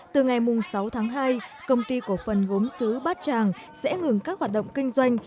từ ngày sáu tháng hai công ty cổ phần gốm xứ bát tràng sẽ ngừng các hoạt động kinh doanh